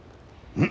うん。